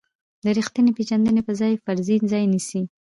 د ریښتینې پېژندنې په ځای فرضیې ځای نیسي.